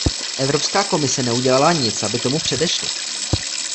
Evropská komise neudělala nic, aby tomu předešla.